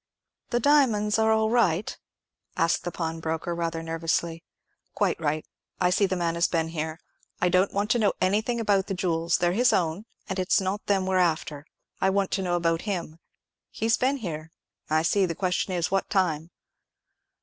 "The diamonds are all right?" asked the pawnbroker, rather nervously. "Quite right. I see the man has been here. I don't want to know anything about the jewels: they're his own, and it's not them we're after. I want to know about him. He's been here, I see—the question is, what time?"